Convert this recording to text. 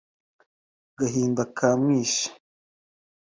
agahinda kamwishe